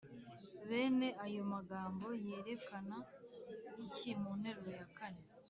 Bene ayo magambo yerekana iki mu nteruro ya kane‽